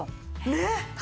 ねっ。